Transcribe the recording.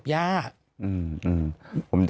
แบบนี้